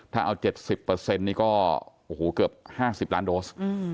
ถ้าเอา๗๐นี่ก็โอ้โหเกือบ๕๐ล้านโดส